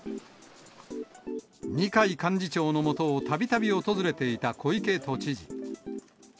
二階幹事長のもとをたびたび訪れていた小池都知事。